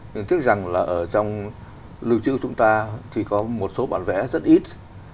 nhưng tiếc rằng là ở trong lưu trữ của chúng ta thì có một số bản vẽ rất ít